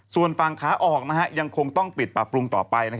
ส่วนฝั่งขาออกยังคงต้องปิดปรับปรุงต่อไป